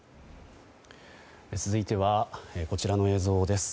続いてはこちらの映像です。